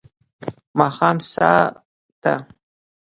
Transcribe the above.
ماښام ساه ته